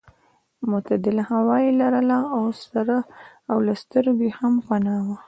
معتدله هوا یې لرله او له سترګو یې هم پناه وه.